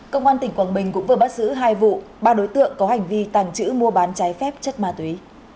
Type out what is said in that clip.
công an tỉnh quảng bình cũng vừa bắt giữ hai vụ ba đối tượng có hành vi tàng trữ mua bán trái phép chất ma túy